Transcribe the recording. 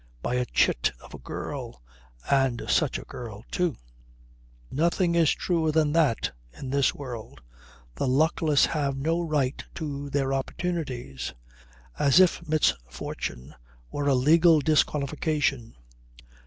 By a chit of a girl. And such a girl, too. Nothing is truer than that, in this world, the luckless have no right to their opportunities as if misfortune were a legal disqualification.